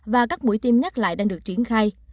và các buổi tiêm nhắc lại đang được triển khai